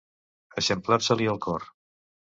Eixamplar-se-li el cor.